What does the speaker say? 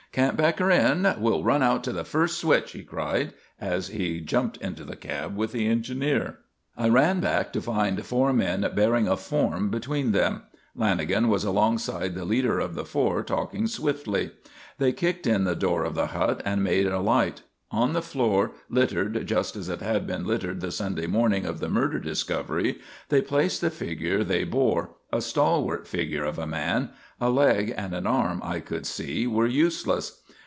"Can't back her in. We'll run out to the first switch!" he cried, as he jumped into the cab with the engineer. I ran back to find four men bearing a form between them. Lanagan was alongside the leader of the four, talking swiftly. They kicked in the door of the hut and made a light. On the floor, littered just as it had been littered the Sunday morning of the murder discovery, they placed the figure they bore, a stalwart figure of a man. A leg and an arm, I could see, were useless.